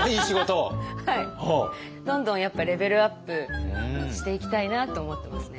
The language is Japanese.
どんどんレベルアップしていきたいなと思ってますね。